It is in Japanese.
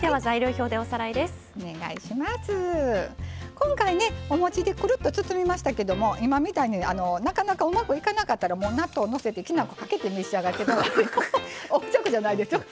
今回ねおもちでくるっと包みましたけども今みたいになかなかうまくいかなかったら納豆をのせてきな粉をかけて召し上がって頂くと横着じゃないですよ。